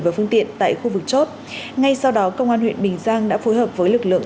và phương tiện tại khu vực chốt ngay sau đó công an huyện bình giang đã phối hợp với lực lượng